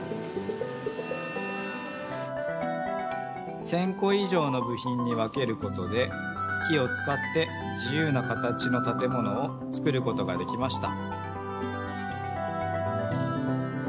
１，０００こい上のぶひんに分けることで木をつかって自ゆうな形のたてものをつくることができました。